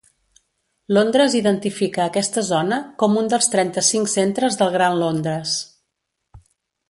Londres identifica aquesta zona com un dels trenta-cinc centres del Gran Londres.